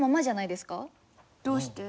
どうして？